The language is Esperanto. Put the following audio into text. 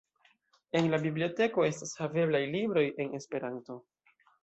En la biblioteko estas haveblaj libroj en Esperanto.